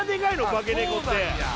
化け猫って。